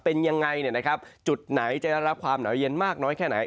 เป็นอย่างไรจุดไหนจะได้รับความหนาวเย็นมากน้อยแค่ไหน